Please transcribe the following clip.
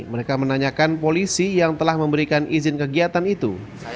mereka menanyakan polisi yang telah memberikan izin kegiatan itu